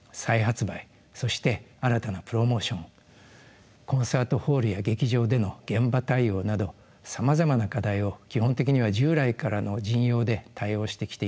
そして新たなプロモーションコンサートホールや劇場での現場対応などさまざまな課題を基本的には従来からの陣容で対応してきているのです。